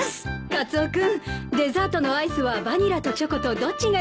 カツオ君デザートのアイスはバニラとチョコとどっちがいいかしら？